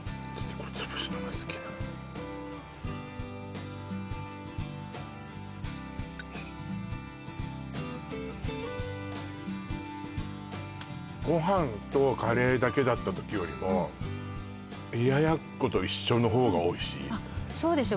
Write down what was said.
こうつぶすのが好きなのご飯とカレーだけだった時よりも冷奴と一緒の方がおいしいそうですよ